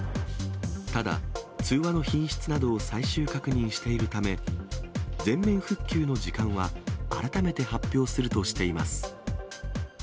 ただ、通話の品質などを最終確認しているため、全面復旧の時間は改めて発表するとしています。